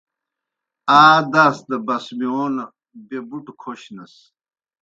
آ داس دہ بسمِیون بیْہ بُٹھہ کھوشنَس۔